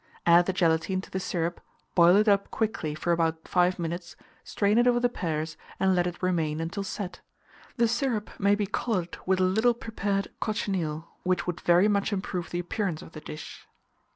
Add the gelatine to the syrup, boil it up quickly for about 5 minutes, strain it over the pears, and let it remain until set. The syrup may be coloured with a little prepared cochineal, which would very much improve the appearance of the dish.